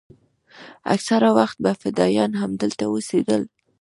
اکثره وخت به فدايان همدلته اوسېدل.